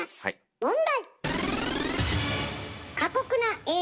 問題！